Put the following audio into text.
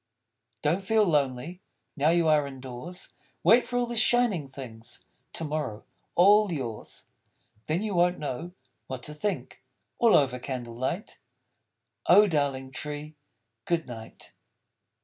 _ Don't feel lonely, Now you are in doors. Wait for all the shining things To morrow, all yours! Then you won't know what to think! All over Candle light. _Oh, darling Tree, Good night.